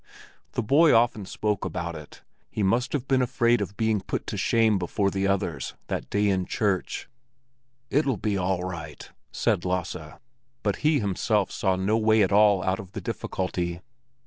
The boy often spoke about it; he must have been afraid of being put to shame before the others that day in church. "It'll be all right," said Lasse; but he himself saw no way at all out of the difficulty.